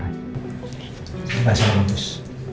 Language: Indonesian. terima kasih bagus